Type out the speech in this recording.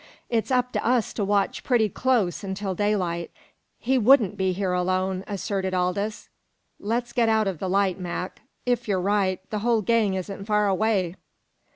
It's up to us to watch pretty close until daylight." "He wouldn't be here alone," asserted Aldous. "Let's get out of the light, Mac. If you're right, the whole gang isn't far away!"